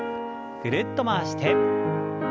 ぐるっと回して。